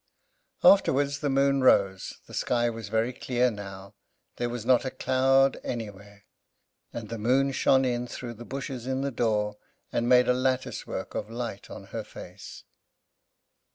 Afterwards the moon rose. The sky was very clear now, there was not a cloud anywhere; and the moon shone in through the bushes in the door, and made a lattice work of light on her face.